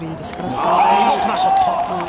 見事なショット。